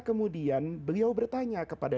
kemudian beliau bertanya kepada